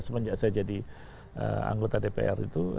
semenjak saya jadi anggota dpr itu